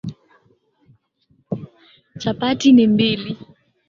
Chapati ni mbili.